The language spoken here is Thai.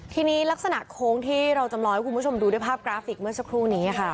ทีนี้ลักษณะโค้งที่เราจำลองให้คุณผู้ชมดูด้วยภาพกราฟิกเมื่อสักครู่นี้ค่ะ